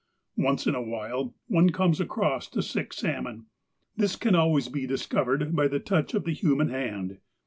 Ouce in a while, one comes across a sick salmon. This can always be discovered by the touch of the human hand.